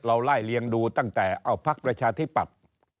เราไล่เลี่ยงดูตั้งแต่เอาภักดิ์ประชาธิบัติ